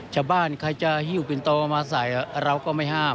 ชาวบ้านใครจะหิวปินโตมาใส่เราก็ไม่ห้าม